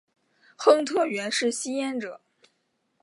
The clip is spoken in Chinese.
亨特原是吸烟者。